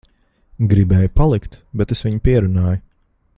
Gribēja palikt, bet es viņu pierunāju.